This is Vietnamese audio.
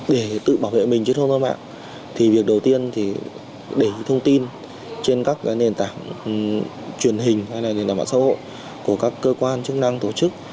để tự bảo vệ mình trên không gian mạng thì việc đầu tiên thì để thông tin trên các nền tảng truyền hình hay là nền tảng mạng xã hội của các cơ quan chức năng tổ chức